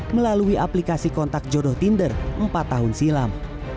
melalui aplikasi kontak jodoh tinder empat tahun silam